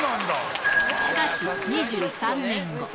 しかし２３年後。